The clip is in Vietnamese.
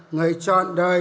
người chọn đời